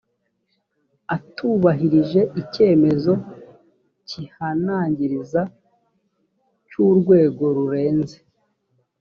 atubahirije icyemezo kihanangiriza cy urwego rurenze